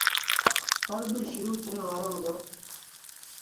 پرٻ شروٚ ٿيڻ وآرو هُݩدو